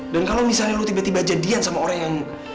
dan kalau misalnya lo tiba tiba jadian sama orang yang